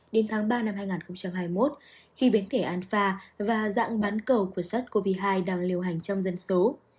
đến tháng ba năm hai nghìn hai mươi một khi biến thể alpha và dạng bán cầu của sát covid hai đang liều hành trong dân số